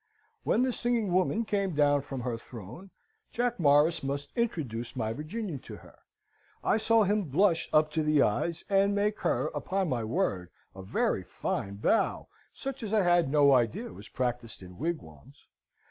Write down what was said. "When the singing woman came down from her throne, Jack Morris must introduce my Virginian to her. I saw him blush up to the eyes, and make her, upon my word, a very fine bow, such as I had no idea was practised in wigwams.